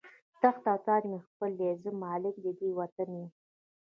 تخت او تاج مې خپل دی، زه مالک د دې وطن یمه